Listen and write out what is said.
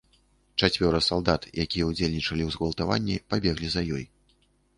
Чацвёра салдат, якія ўдзельнічалі ў згвалтаванні, пабеглі за ёй.